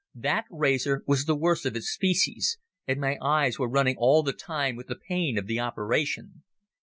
That razor was the worst of its species, and my eyes were running all the time with the pain of the operation.